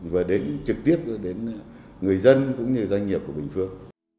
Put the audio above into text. và đến trực tiếp đến người dân cũng như doanh nghiệp của bình phước